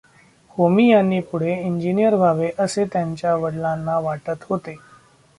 होमी यांनी पुढे इंजिनियर व्हावे असे त्यांच्या वडिलांना वाटत होते.